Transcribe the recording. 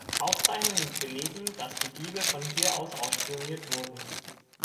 Aufzeichnungen belegen, dass die Diebe von hier aus ausspioniert wurden.